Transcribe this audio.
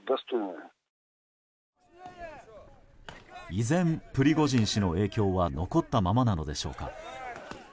依然、プリゴジン氏の影響は残ったままなのでしょうか。